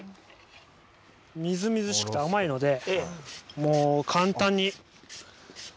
みずみずしくて甘いので、簡単に。